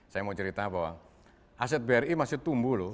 saya mau cerita bahwa aset bri masih tumbuh loh